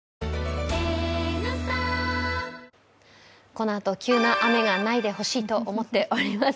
このあと、急な雨がないでほしいと思っております。